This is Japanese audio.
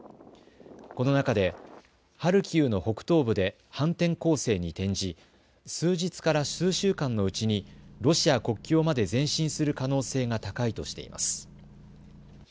この中でハルキウの北東部で反転攻勢に転じ数日から数週間のうちにロシア国境まで前進する可能性が高いとしています。